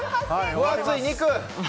分厚い肉！